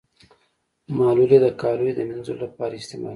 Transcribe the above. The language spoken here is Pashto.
محلول یې د کالیو د مینځلو لپاره استعمالیږي.